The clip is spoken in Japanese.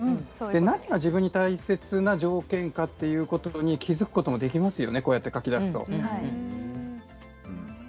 何が自分に大切な条件かということに気が付くことができますよね、書き出すとね。